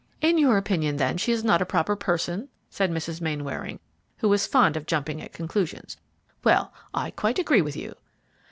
"In your opinion, then, she is not a proper person," said Mrs. Mainwaring, who was fond of jumping at conclusions; "well, I quite agree with you."